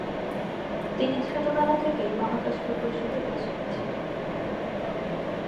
তিনি ছোটবেলা থেকেই মহাকাশ প্রকৌশলে উৎসাহী ছিলেন।